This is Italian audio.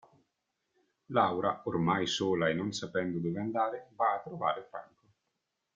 Laura, ormai sola e non sapendo dove andare, va a trovare Franco.